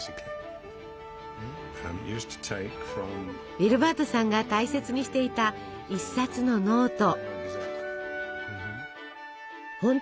ウィルバートさんが大切にしていた１冊のノート。